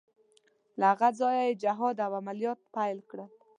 له هغه ځایه یې جهاد او عملیات پیل کړل.